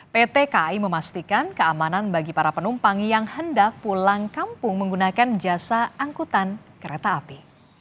pt kai memastikan keamanan bagi para penumpang yang hendak pulang kampung menggunakan jasa angkutan kereta api